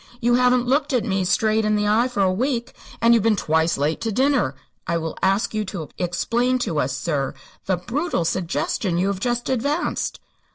You haven't looked me straight in the eye for a week, and you've twice been late to dinner. I will ask you to explain to us, sir, the brutal suggestion you have just advanced."